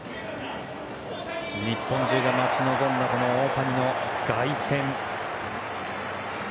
日本中が待ち望んだ大谷の凱旋。